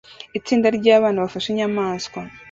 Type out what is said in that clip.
Itsinda ryabana bafashe inyamanswa